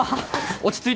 落ち着いて。